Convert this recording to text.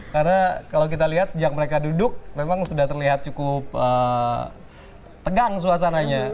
karena kalau kita lihat sejak mereka duduk memang sudah terlihat cukup tegang suasananya